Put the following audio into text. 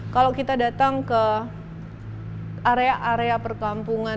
kalau kita datang ke area area perkampungan